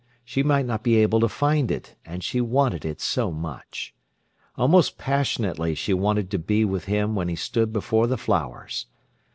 She might not be able to find it; and she wanted it so much. Almost passionately she wanted to be with him when he stood before the flowers.